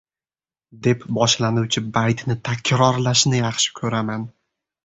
deb boshlanuvchi baytini takrorlashni yaxshi ko‘raman.